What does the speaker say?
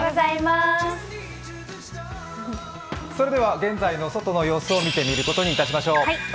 現在の外の様子を見てみることにいたしましょう。